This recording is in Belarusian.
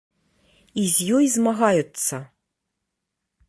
І з ёй змагаюцца.